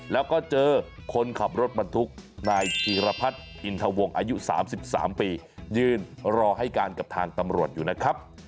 แล้วก็เจอคนขับรถบรรทุกนายธีรพัฒน์อินทวงอายุ๓๓ปียืนรอให้การกับทางตำรวจอยู่นะครับ